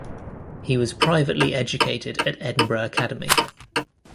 He was privately educated at Edinburgh Academy.